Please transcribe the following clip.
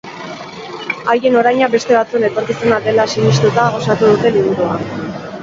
Haien oraina beste batzuen etorkizuna dela sinistuta osatu dute liburua.